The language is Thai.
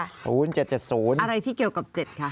อะไรที่เกี่ยวกับ๗คะ